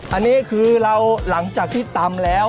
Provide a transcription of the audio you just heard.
อันนี้คือเราหลังจากที่ตำแล้ว